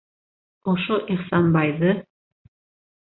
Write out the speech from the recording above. Ошо Ихсанбайҙы...